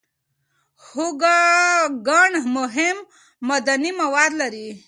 هوږه ګڼ مهم معدني مواد لري.